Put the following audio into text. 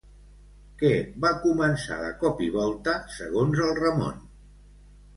Què va començar de cop i volta, segons el Ramon?